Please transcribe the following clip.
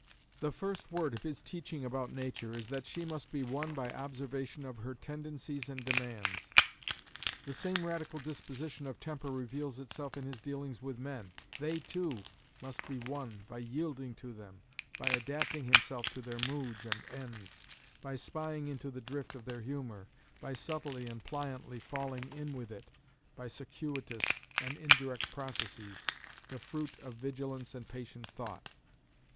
The first word of his teaching about nature is that she must be won by observation of her tendencies and demands; the same radical disposition of temper reveals itself in his dealings with men: they, too, must be won by yielding to them, by adapting himself to their moods and ends; by spying into the drift of their humour, by subtly and pliantly falling in with it, by circuitous and indirect processes, the fruit of vigilance and patient thought.